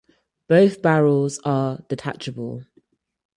Both barrels are detachable.